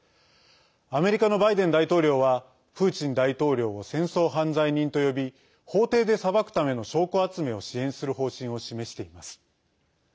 アメリカのバイデン大統領はプーチン大統領を戦争犯罪人と呼び法廷で裁くための証拠集めを支援する方針を示しています。